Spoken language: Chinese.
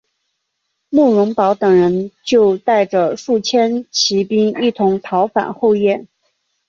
慕容宝等人就带着数千骑兵一同逃返后燕。